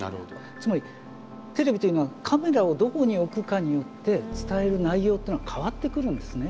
つまりテレビというのはカメラをどこに置くかによって伝える内容というのは変わってくるんですね。